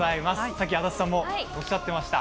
さっき、足立さんもおっしゃっていました